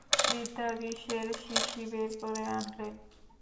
বৃদ্ধা বিষের শিশি বের করে আনলেন।